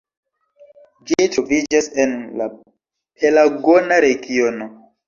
Ĝi troviĝas en la Pelagona regiono.